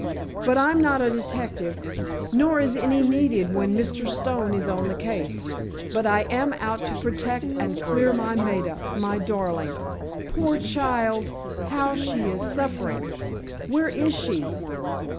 But, I'm not a detective—nor is any needed when Mr. Stone is on the case, but I am out to protect and clear my Maida—my darling. Poor child, how she is suffering! Where is she?"